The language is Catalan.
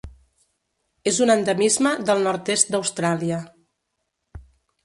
És un endemisme del nord-est d'Austràlia.